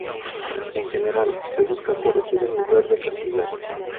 En general, se busca corregir en lugar de castigar.